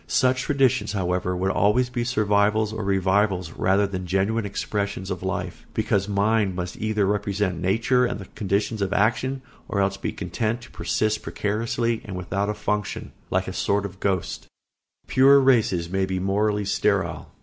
Such traditions, however, would always be survivals or revivals rather than genuine expressions of life, because mind must either represent nature and the conditions of action or else be content to persist precariously and without a function, like a sort of ghost. [Sidenote: "Pure" races may be morally sterile.